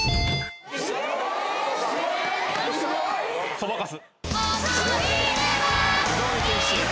『そばかす』